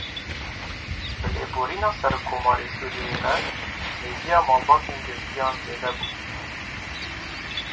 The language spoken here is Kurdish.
Bi lêborîna Serokkomarê Sûriyeyê re hêviya malbatên girtiyan zêde bû.